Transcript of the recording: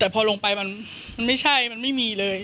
แต่พอลงไปมันไม่ใช่มันไม่มีเลย